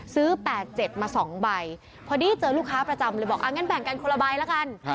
๘๗มา๒ใบพอดีเจอลูกค้าประจำเลยบอกงั้นแบ่งกันคนละใบละกัน